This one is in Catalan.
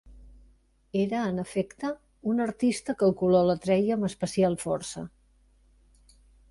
Era en efecte un artista que el color l'atreia amb especial força.